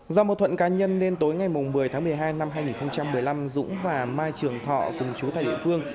do mâu thuẫn cá nhân nên tối ngày một mươi tháng một mươi hai năm hai nghìn một mươi năm dũng và mai trường thọ cùng chú tại địa phương